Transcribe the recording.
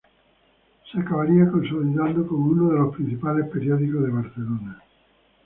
Se acabaría consolidando como uno de los principales periódicos de Barcelona.